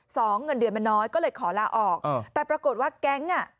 เงินเดือนมันน้อยก็เลยขอลาออกอ๋อแต่ปรากฏว่าแก๊งอ่ะ